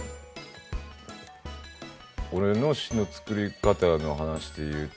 俺の詩の作り方の話でいうと。